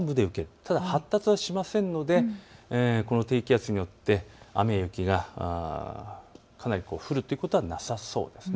ただ発達はしませんのでこの低気圧によって雨や雪がかなり降るということはなさそうです。